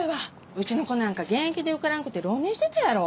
うちの子なんか現役で受からんくて浪人してたやろ？